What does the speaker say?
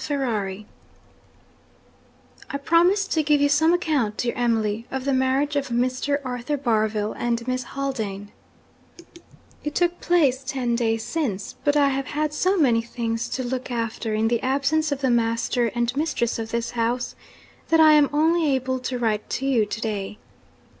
FERRARI) 'I promised to give you some account, dear Emily, of the marriage of Mr. Arthur Barville and Miss Haldane. It took place ten days since. But I have had so many things to look after in the absence of the master and mistress of this house, that I am only able to write to you to day.